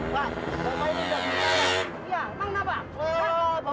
nanti kita abrak pak bahaya pak